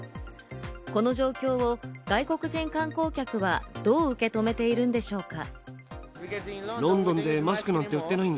この状況を外国人観光客はどう受け止めているんでしょうか？